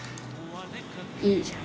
いいじゃん。